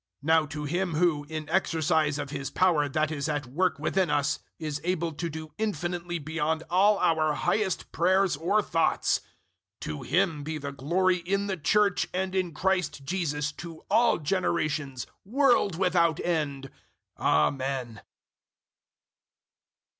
003:020 Now to Him who, in exercise of His power that is at work within us, is able to do infinitely beyond all our highest prayers or thoughts 003:021 to Him be the glory in the Church and in Christ Jesus to all generations, world without end! Amen.